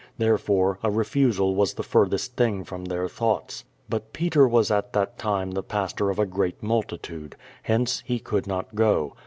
Therefore, a refusal was the furthest thing from their thoughts. But Peter was at that time the pastor of a great multitude. Hence, he could not , go.